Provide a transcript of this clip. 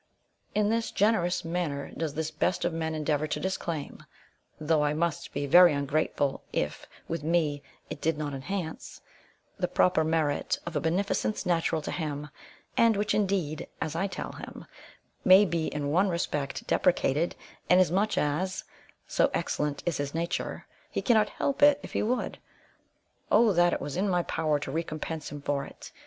In this generous manner does this best of men endeavour to disclaim (though I must be very ungrateful, if, with me, it did not enhance) the proper merit of a beneficence natural to him; and which, indeed, as I tell him, may be in one respect deprecated, inasmuch as (so excellent is his nature) he cannot help it if he would. O that it was in my power to recompense him for it!